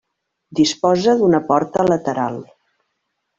Disposa d'una porta lateral.